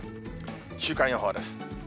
週間予報です。